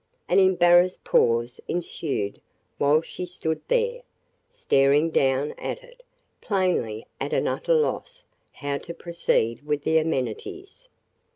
An embarrassed pause ensued while she stood there, staring down at it, plainly at an utter loss how to proceed with the amenities.